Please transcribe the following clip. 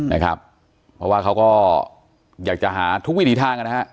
นะครับเพราะว่าเขาก็อยากจะหาทุกวิถีทางอ่ะนะฮะ